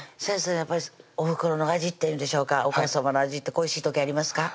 やっぱりおふくろの味っていうんでしょうかお母さまの味って恋しい時ありますか？